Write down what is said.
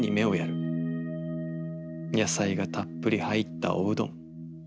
野菜がたっぷり入ったおうどん。